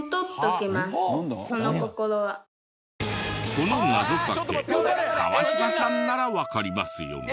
この謎かけ川島さんならわかりますよね？